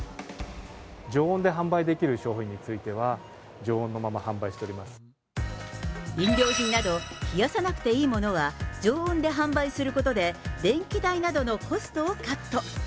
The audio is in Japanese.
常温で販売できる商品については、常温のまま販売しておりま飲料品など、冷やさなくていいものは常温で販売することで、電気代などのコストをカット。